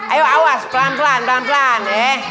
ayo awas pelan pelan pelan pelan